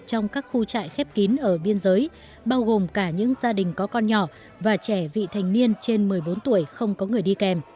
trong các khu trại khép kín ở biên giới bao gồm cả những gia đình có con nhỏ và trẻ vị thành niên trên một mươi bốn tuổi không có người đi kèm